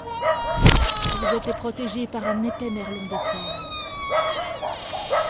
Elles étaient protégées par un épais merlon de terre.